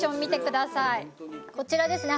こちらですね。